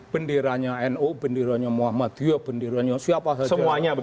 bendera nu bendera muhammadiyah bendera siapa saja